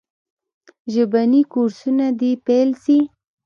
ژبني کورسونه دي پیل سي.